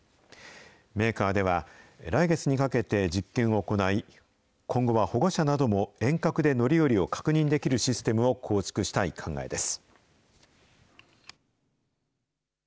メーカーでは、来月にかけて実験を行い、今後は保護者なども遠隔で乗り降りを確認できるシステムを構築したい考えです。